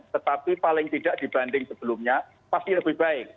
tetapi paling tidak dibanding sebelumnya pasti lebih baik